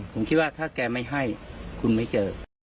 ผมคิดว่าถ้าแกไม่ให้คุณไม่เจอ